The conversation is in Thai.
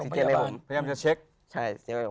พยายามจะเช็ค